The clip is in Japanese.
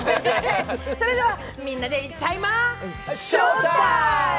それではみんなで行っちゃいまＳＨＯＷＴＩＭＥ！